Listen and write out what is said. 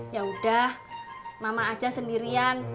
yaudah mama aja sendirian